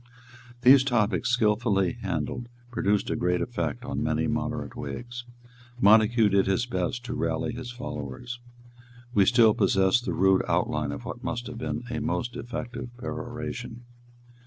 These topics, skilfully handled, produced a great effect on many moderate Whigs. Montague did his best to rally his followers. We still possess the rude outline of what must have been a most effective peroration.